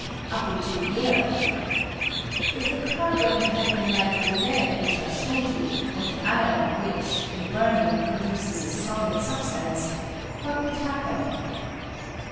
Up into the air. If the carbon had been like the lead which I showed you, or the iron which, in burning, pro duces a solid substance, what would happen?